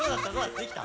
できた？